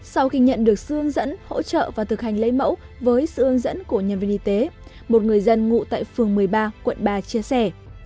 sau khi nhận được sự hướng dẫn hỗ trợ và thực hành lấy mẫu với sự hướng dẫn của nhân viên y tế một người dân ngụ tại phường một mươi ba quận ba chia sẻ